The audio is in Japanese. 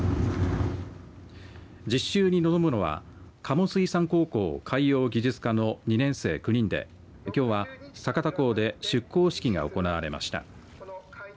実習に臨むのは加茂水産高校海洋技術科の２年生９人できょうは酒田港で出港式が行われました。